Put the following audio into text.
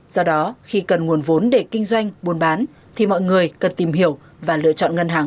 do đó khi cần nguồn vốn để kinh doanh buôn bán thì mọi người cần tìm hiểu và lựa chọn ngân hàng